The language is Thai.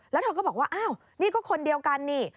แล้วเธอก็บอกว่าอ้าวนี่ก็คนเดียวกันนี่